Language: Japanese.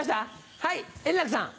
はい円楽さん。